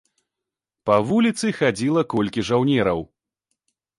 Па вуліцы хадзіла колькі жаўнераў.